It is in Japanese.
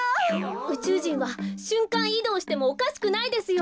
うちゅうじんはしゅんかんいどうしてもおかしくないですよ。